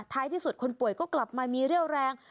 ที่สุดคนป่วยก็กลับมามีเรี่ยวแรง